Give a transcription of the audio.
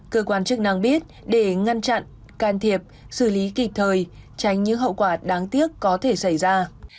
cơ quan chức năng biết để ngăn chặn can thiệp xử lý kịp thời tránh những hậu quả đáng tiếc có thể xảy ra